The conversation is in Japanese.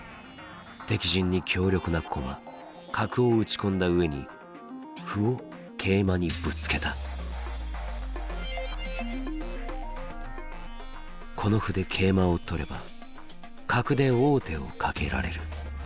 敵陣に強力な駒角を打ち込んだ上に歩を桂馬にぶつけたこの歩で桂馬を取れば角で王手をかけられる。